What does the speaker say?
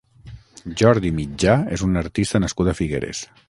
Jordi Mitjà és un artista nascut a Figueres.